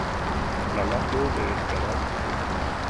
en la lando de Esperanto